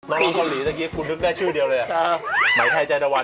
น้องสวัสดีเมื่อกี้คุณธึกได้ชื่อเดียวเลยอะหมายไทยใจดัวน